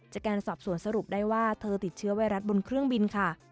จากการสอบสวนสรุปได้ว่าเธอติดเชื้อไวรัสบนเครื่องบินค่ะ